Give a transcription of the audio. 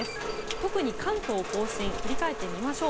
特に関東・甲信振り返ってみましょう。